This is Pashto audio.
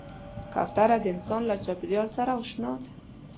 کوتره د انسان له چاپېریال سره اشنا ده.